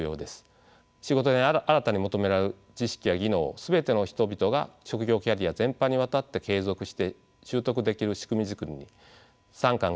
仕事で新たに求められる知識や技能を全ての人々が職業キャリア全般にわたって継続して習得できる仕組み作りに産官学が密に連携していくことが求められましょう。